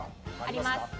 あります。